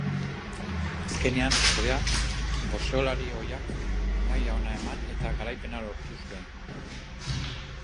Azkenean, ordea, boxeolari ohiak maila ona eman eta garaipena lortu zuen.